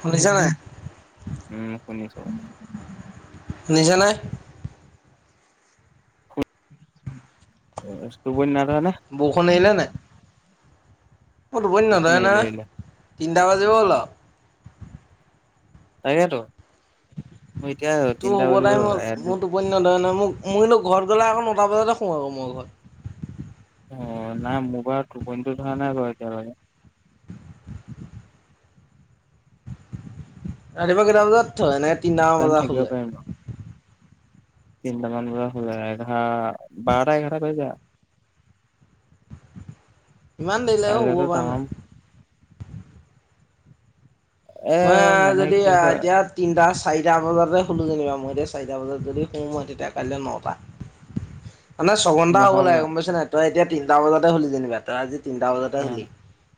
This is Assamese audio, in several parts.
শুনিছা নে নাই, উম শুনিছো শুনিছানে? [unintelligible] বৰষুণ আহিলে নাই? মোৰ টোপনি বৰষুণ নধৰে এৰিলে এৰিলে নহয়, তিনিটা বাজিব হ'ল আৰু তাকেইটো। তোৰ হ'ব তাইম হল? মোৰ টোপনি নধৰে নহয়। ম মই ঘৰত গ'লে আকৌ নটা বজাতে শু আৰু আকৌ মোৰ ঘৰত অ নাই মোৰবাৰ টোপনিতো ধৰা নাই বাৰু এতিয়ালকে। ৰাতিপুৱা কেইটা বজাত উঠ এনে? তিনটা টাইম বজাত শুলে? তিনটাামান বজাত হলে এঘাৰ বাৰটা এঘাৰটা বাজি যায় আৰু। ইমান দেৰিলে ও শুব পৰা নাই। এ মই মানে যদি কি হয় এতিয়া তিনটা চাৰিটা বজাতে শুলো যেনিবা মইতি চাৰিটা বজাত যদি শুওঁ মই তেতিয়া কাইলৈ নটা। মানে ছঘণ্টা হ'ব নহয় লাগে মা গমাইছ নাই তই এতিয়া তিনিটা বজাতে হলি যেনিবা, এটা আজি তিনিটা বজাতে হোলি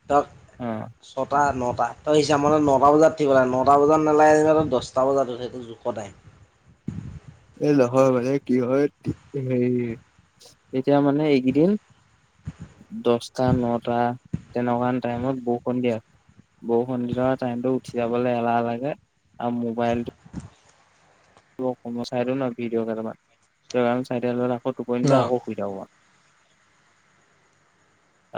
তেওঁক অ ছটা ন- প হিচাপানে ন নটা বজাত থঠিব লাগাই নটা বজাত নেলাগিব আহিব দহটা বজাত উ সেইটো জোখ টাইম। লৰ ব কি হয় হে এতিয়া মানে এইকেইদিন দছটা, নটা তেনেকুৱা টাইমত বৰষুণ দি, আহ বৰষুণ দি থকা টাইমতটো উঠি যাবলৈ এলাহ লাগে, আৰু মোবাইলটো চাইও ন ভি' গান চাই টোপনি ন ধৰে আকৌ হুই থাকোঁ মই।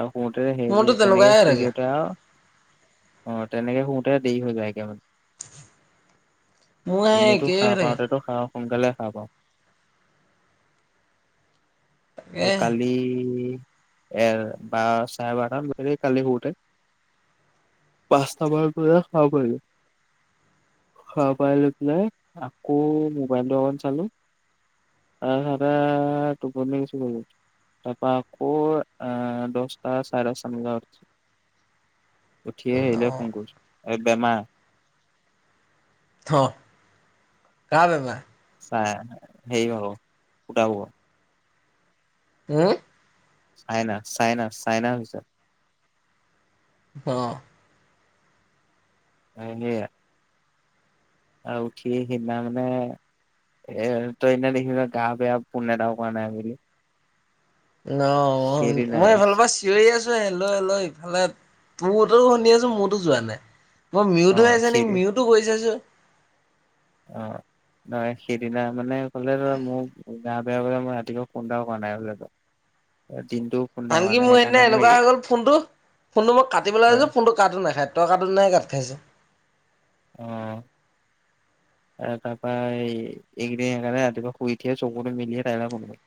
আৰু পতে সেইব মোৰতো তেনেকুৱাই তেনেকে হৈ শুই থাকে দেওঁততে আৰু আহ তেনেকে শুতে দেৰি হৈ যায়গে অৱ [unintelligible] খাওঁ সোনকালে খা পাওঁ এ তাকেহে কালি এ বাৰ চাৰে বাৰটাম ব কালি সুৰতে পাঁচটা বান খাব পালো, হা পাই লৈ পেলাই আকৌ মোবাইলটো অকণ চালো তাৰ টোপনিছ তাৰ পৰা আকৌ আহ দহটা চাৰে দচ চান বজা উঠছো উঠিয়ে ন আহলে ফংকুৰ এই বেমাৰ অ কাঁ বেমাৰ চাই সেইৰি হাৰ ফুটাব উ চাইনা চাইনা চাইনা হৈছে অঁ সেইয়া আৰু উঠি সিদিনা মানে এ তই এদিনা দেখি গা বেয়া পোন এটা কৰা নাই বুলি ন মই সেইদিনাই এইফালৰ পৰা চিঞৰি আছো এ লৈ লৈ ইফালে তহতো শুনি আছো মোৰতো যোৱা নাই মই অ মিউতো হৈ আছ নে সেইদি মিউতো কৰি চাইছো অ নহয় সেইদিনা মানে হলে ধৰা মই গা বেয়া বলে মই ৰাতিপুৱা ফন এটাও কৰা নাই বল তো আনকি মোৰ সেইদিনা এনেকুৱা হৈ গ'ল ফোনটো ফোনটো মই কাটিবলৈ অ লাগিছো ফোনটো কাটো নাখাই তই কাটোতেহে কাট খাইছে আহ তাৰপৰা এইকেইদিন সেইকাৰণে ৰাতিপুৱা শুই উঠিয়ে চকুত মিলিয়ে তাইলৈ ফন কৰো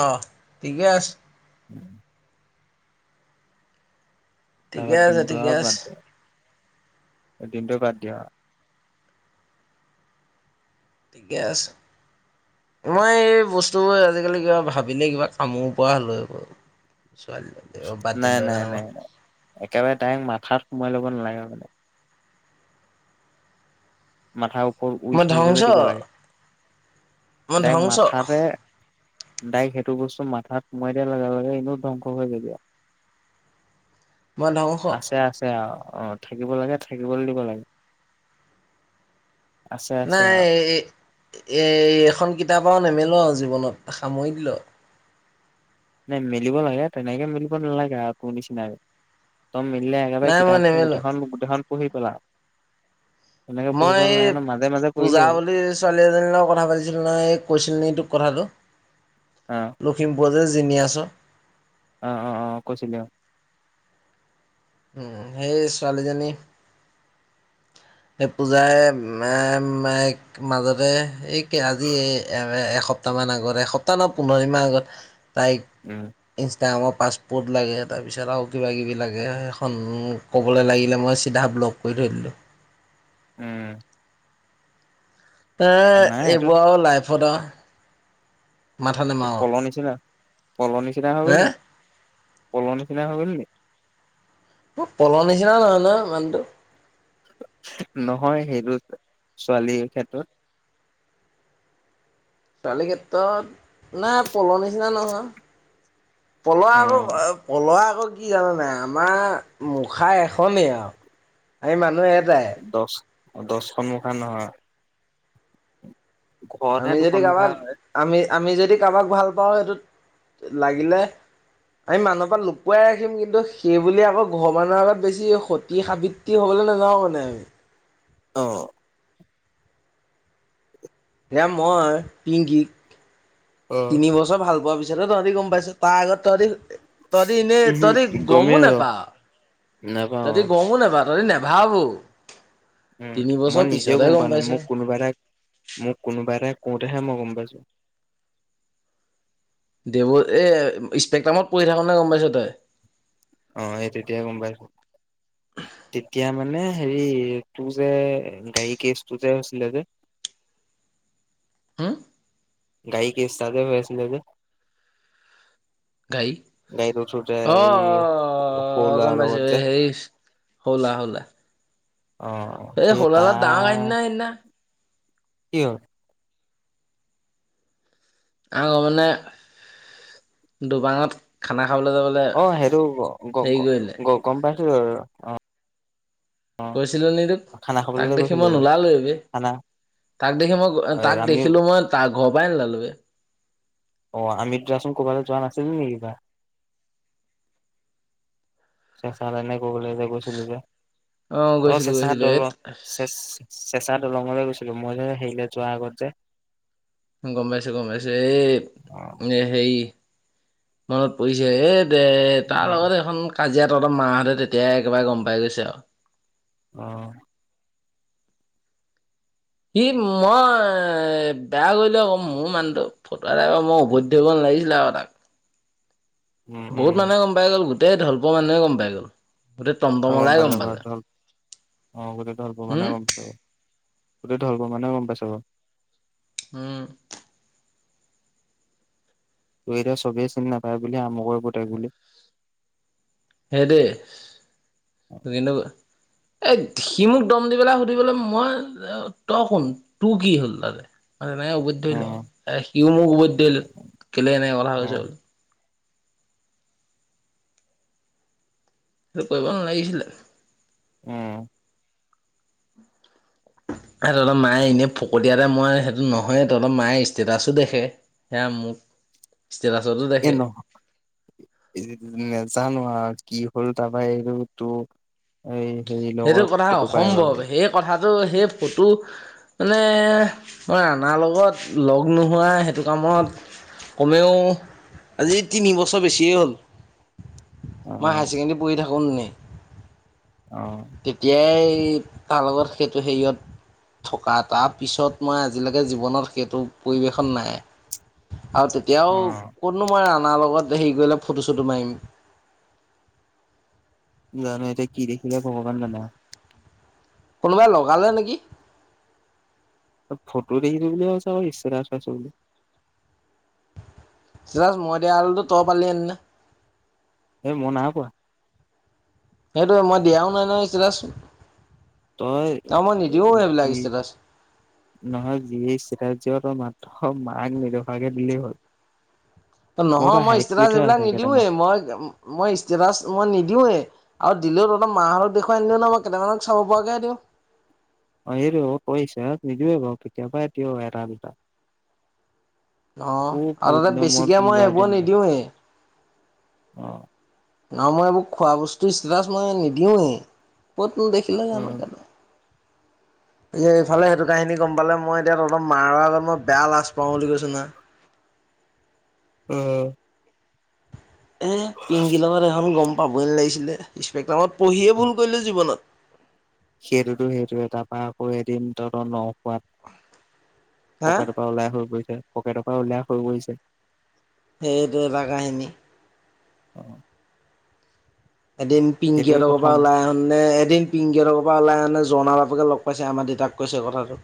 অ ঠিকে আছে ঠিকে আছে ঠিকে আছে এদিনটো বাদ দিয়া ঠিকে আছে মই এই বস্তুবোৰ আজিকালি কিবা ভাবিলে কিবা কামোৰ পোৱা হ'লো এইবোৰ ছোৱালীজনী বাদ নাই দিলো নাই সেইকাৰণে মই। নাই নাই একেবাৰে তাইক মাথাত সোমাই লব নালাগে আগতে। মাথা ও স উই মই ধ্বংস থুিবলৈ দিব লাগে, মই তাইক ধ্বংস মাথতে দাইক সেইটো বস্তু মাথাত সোমাই দিয়া লগা লগে এনেও ধ্বংস হৈ যাবি আৰু। মই ধ্বংস আছে আছে আৰু। অ, থাকিব লাগে থাকিবলৈ দিব লাগে্ নাই এ, এ এখন কিতাপ। ক নেমেলো আৰু জীৱনত, সামৰি দিলো। নাই মেলিব লাগে তেনেকে মেলিব নালাগে আ তোৰ নিচিনাকে। তই মেলিলে একেবাৰে নাই মই কিতাপ নেমেলো। গোটেইখন-গোটেইখন পঢ়ি পেলাও। মই এই, মাজে পূজা পঢ়িলেই হ'ল বুলি ছোৱালী এজনীৰ লগত কথা পাতিছিলো নহয় এই কৈছিল নে তোক কথাটো, অ লখিমপুৰ যে জিনি আছ। আহ, অ অ, কৈছিলি অ। সেই ছোৱালীজনী। এই পূজায়ে মে, মে, মাজতে, এক আদিয়ে এ-এসপকে ন্তামান আগত এসন্তা ন পোন্ধৰ দিন মান আগত। তাইক, উম ইনচ গ্ৰামত পাছপৰ্ট লাগে তাৰপিছত আৰু কিবা-কিবি লাগে সেইখন মোক ক'বলৈ লাগিলে মই চিধা ব্লক কৰি থৈ দিলো। উম। এ-এ নাই এইটো এইবোৰ আৰু লাইফত আৰু। মাথা নেমাৰো পলৰ নিচিনা, পলৰ নিচিনা হৈ হে গলি নে পলৰ নিচিনা হৈ গলি নে পলৰ নিচিনা নহয় ন মানুটো। নহয় সেইটো, ছোৱালীৰ ক্ষেত্ৰত। ছোৱালী ক্ষেত্ৰত, নাই পলৰ নিচিনা নহয়। পলোৱা আকৌ, অ আ পলোৱা আকৌ। কি জানানে আমাৰ মুখা এখনেই আৰু। আমি মানুহ এটাই দছ, দছখন মুখা নহয়। ঘৰতহে আমি যদি দুখন মুখা কাবাক, হয়। আমি। আমি যদি কাবাক ভাল পাওঁ, সেইটোত, লাগিলে, আমি মানুহৰ পৰা লুকুৱাই ৰাখিম কিন্তু সেইবুলি আকৌ ঘৰৰ মানুহৰ আগত বেছি সতি-সাবৃত্ৰী হ'বলৈ নাযাওঁ মানে আমি। অ। এয়া মই, পিংগিক। অ', তিনি বছৰ ভাল পোৱাৰ পি পিছত তহঁতি গম পাইছ তাৰ আগত তহঁতি তহতি এনেই উম তহদি গমেই গমো নেপাও। নাপাওঁ তাতে অ', গমো নেপাওঁ তহঁতি নাভাব ও উম মই নিজেও গম পোৱা নাই মোক কোনোবাৰে মোক কোনোবাৰে কওঁতেহে মই গম পাইছো। দেৱ এ স্পেক্ট্ৰামত পঢ়ি থাকোঁতে গম পাইছ তাই অ 'এই তেতিয়াই গম পাইছো তেতিয়া মানে হেৰি তোৰ যে গাড়ী কেচটো যে হৈছিলে যে হম। গাড়ী কেচটা যে হৈছিলে যে। গাড়ী গাড়ীত উঠোতে অ এই সৰু 'অহ ল'ৰাৰ গম পাইছো লগত যে হেৰি হলা হলে অ', এই সেই হোলালত দাঙ তাৰ আইনা এইনা কি হ'ল আও মানে দুবাঙত খানা। খাবলৈ যাবলৈ অ' সেইটো গ হেৰি কৰিলে গ গম পাই অ' কৈছিল নি তোক খানা খাবলৈ তাক যে দেখি গৈছিলে মই যে নোলালো এইব খানা তাক দেখি মই তাক আমি দেখিলো মই তাৰ ঘৰ পৰাই নোলালো বেই। অ 'আমি দুটাচোন কবালৈ যোৱা নাছিলো নেকি কিবা এ কবলৈ যে গৈছিলো যে অহ অ গৈছিলো গৈছিলো এত চেচা দলঙলৈ গৈছিলো মই যে হেৰি যোৱাৰ আগত যে। গম পাইছো গম পাইছো এই অ সেই। মনত পৰিছে এ দে তাৰ অ লগত এখন কাজিয়া ত মাহঁতে তেতিয়াই একেবাৰে গম পাই গৈছে আৰু অ, ' সি মই বেয়া কৰিলে আকৌ মোৰ মানুহটো ফটোই মই উভতি ধৰিব নালাগিছিলে আক তাক। উম বহুত উম মানুহেই গম পাই গ'ল তেই ঢলপুৰৰ মানুহে গম পাই গ'ল গোটেই আৰু গম টমটমলাই পালো [unintelligible] অ গম পালে পালে গোটেই ঢলপোৱা উম মানুহে পাইছে উম। ত এতিয়া চবেই চিনি নাপায় বুলি আমাক পতাই বুলি সেইটোয়ে কিন্তু এই সি মোক দম দি পেলাই সুধিবলৈ মই তই শুন তোৰ কি হ'ল তাতে। ম নাই উবধ ধৰি অ ল এ সিও মোক উভতি ধৰিলো কেলে এনে কথা অ কইছো সেইটো কৰিব নালাগিছিলে উম সিহঁতক অলপ মায়ে এনেই ফকতীয়াতে মই সেইটো নহয় তলত মায়ে ষ্টেটাছো দেখে সেয়া মোক ষ্টেটাছতো এ দেখে নহ নেজানোৱা কি হ'ল তাৰপা এইবোৰ তোৰ এই হেৰি সেইটো লগত কথা ফটো পাই গ'ল অসম্ভৱ, বোলে সেই কথা আৰু সেই ফটো মানে মই ৰাণাৰ লগত লগ নোহোৱা, সেইটো কামত কমেও আজি তিন বছৰ বেছিয়ে হ'ল। অ মই হাই ছেকেণ্ডেৰীত পঢ়ি থাকোঁ কোন নি অ তেতিয়াই কাৰ লগত সেইটো হেৰিয়ত থকা তাৰপিছত মই আজিলৈকে জীৱনত সেইটো পৰিৱেশত নাই। আৰু তেতিয়াও অ কত'নো মই আন মাৰ লগত হেৰি কৰিলে ফটো-চটো মাৰিম। জানো, এতিয়া কি দেখিলে ভগৱান জানে আও? কোনোবাই লগালে নেকি? ফটো দেখিছো বুলি কৈছে ক ইষ্টেটাচ পাইছো বুলি। জাষ্ট, মই দেয়া হলেতো তই পালি হলে ন'। এই মই নাই পোৱা। সেইটোৱে, মই দিয়াও নাই নহয় ইষ্টেটাচ। তই যি ষ্টেটাছ নহয়, যিয়েই ইষ্টেতাচ দিয়। তই মাক অ' মাক নেদেখুৱাকে দিলে হ'ল? মোৰ নহয়, পৰা মই হাইড কৰি ইষ্টেটাচ থোৱা এইবিলাক আছে নিদিওঁৱে, কেইটামান মই মই ইষ্টেটাচ মই নিদিওঁৱে। আৰু দিলেও তহঁতৰ মাহতক দেখুৱাই নিদো নহয়, মই কেইটামানক চাব পৰাকেহে দিওঁ। অঁ সেইটোৱে তই ইষ্টেতাচ নিদিয়য়ে বাও, কেতিয়াবাহে দিয় এটা-দুটা। অ' আৰু তাতে বেছিকে মই এইবোৰ নিদিওঁয়ে। আহ। নহ মই এইবোৰ খোৱা বস্তুৰ ইষ্টেটাছ মই নিদিওঁৱেই। ক'ত দেখিলে অ জানো কালি, এ এইফালে সেইটো কাহিনী গম পালে মই এতিয়া তহঁতৰ মাৰৰ আগত মই বেয়া লাজ পাওঁ বুলি কৈছো নহয়। উম। এ পিংকিৰ লগত এখন গম পাবই লাগিছিলে সস্পেক্ট্ৰামত পঢ়িয়ে ভুল কৰিলো জীৱনত। সেইটোতো সেইটো এ তাৰপা আকৌ এদিন তহঁতৰ ন ৱাত হা পকেটৰ পৰা ওলাই হৈ গছে পকেটৰ পৰা উল্লোস হৈ পৰিছে। সেইটো এটা কাহিনী। অ। এদিন পিংকী সেইটোৱে হঁতৰ পৰা প্ৰথম ওলাই আহোঁতে, এদিন পিংকি হঁতৰ ঘৰৰ পৰা ওলাই আহোঁতে জনাল আনোকে লগ পাইছে আমাৰ দেউতাক কৈছে কথাটো।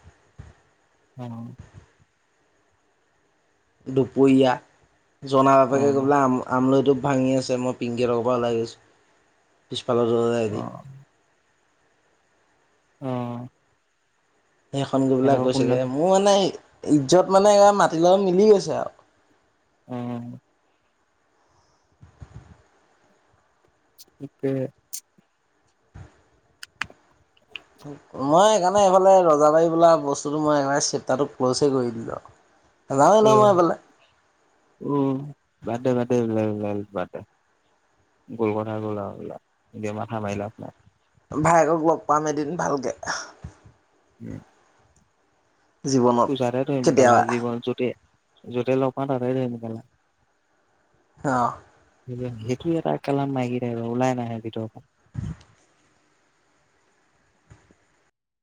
অ দুপুৰিয়া, জনাৰ অ বাপেকে কবলৈ আম আমলৈ টো ভাঙি আছে মই পিংকি হতৰ পৰা ওলাই আহিছো। আইডি। অ অহ। সেই সংগী বিলাক গৈছেগে মোৰ মানে এই। ইজ্জত মানে, এয়া মাটিৰ লগত মিলি গৈছে আৰু। উম। ঠিকে। মই সেইকাৰণে, এইফালে ৰজাবাৰী বোলা বস্তুটো মই সেইকাৰণে চেপটাৰটো ক্ল'চ এ কৰি দিলো। উ, উম, বাদ দে বাদ। গ'ল কথা গ'ল আৰু এতিয়া মাথা মাৰি লাভ নাই। ভায়েকক লগ পাম এদিন ভালকে। উম। জীৱনত তুজাৰে ত একালা কেতিয়াবা জীৱন যুটী য'তেই লগ পাওঁ, তাতে ধে পালা। অ সেইটো এটা কালাম মাই। ওলাই নাহে ভিতৰৰ পৰা [inaudible]